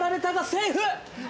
セーフ！